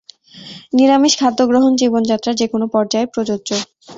নিরামিষ খাদ্য গ্রহণ জীবন যাত্রার যেকোনো পর্যায়ে প্রযোজ্য।